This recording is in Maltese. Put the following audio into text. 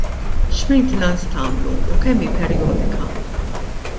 X'maintenance tagħmlu, u kemm hi perjodika?